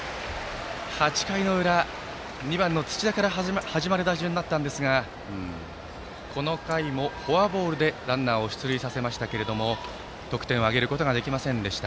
８回の裏、２番の土田から始まる打順だったんですがこの回もフォアボールでランナーを出塁させましたが得点を挙げられませんでした。